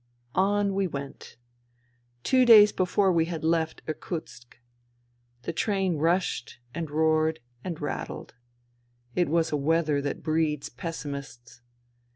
On we went. Two days before we had left Irkutsk. The train rushed and roared and rattled. It was a weather that breeds pessimists.